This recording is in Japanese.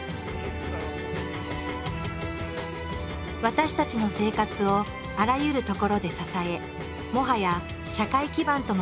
私たちの生活をあらゆるところで支えもはや社会基盤ともなっているインターネット。